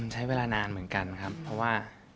ใช้เวลานานเหมือนกันครับเพราะว่า